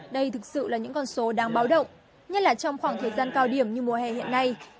đây thực sự là những con số đáng báo động nhất là trong khoảng thời gian cao điểm như mùa hè hiện nay